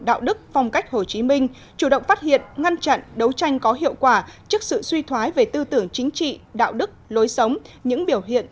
đạo đức phong cách hồ chí minh chủ động phát hiện ngăn chặn đấu tranh có hiệu quả trước sự suy thoái về tư tưởng chính trị đạo đức lối sống những biểu hiện